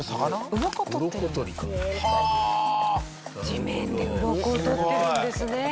地面でウロコを取ってるんですね。